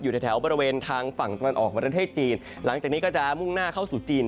แถวบริเวณทางฝั่งตะวันออกประเทศจีนหลังจากนี้ก็จะมุ่งหน้าเข้าสู่จีน